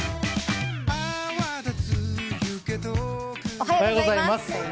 おはようございます。